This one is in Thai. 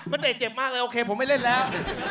เตะเจ็บมากเลยโอเคผมไม่เล่นแล้ว